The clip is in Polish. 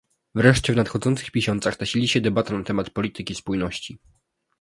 Wreszcie, w nadchodzących miesiącach nasili się debata na temat polityki spójności